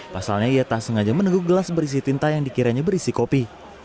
pasalnya ia tak sengaja meneguk gelas berisi tinta yang dikiranya berisi kopi